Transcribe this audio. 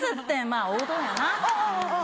まあ王道やな。